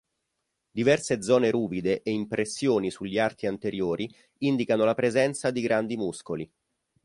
Diverse zone ruvide e impressioni sugli arti anteriori indicano la presenza di grandi muscoli.